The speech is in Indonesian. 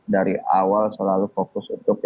dari awal selalu fokus untuk